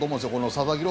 佐々木朗